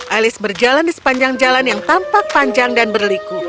alis berjalan di sepanjang jalan yang tampak panjang dan berliku